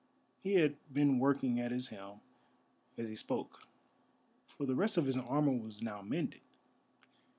He had been working at his helm as he spoke, for the rest of his armour was now mended.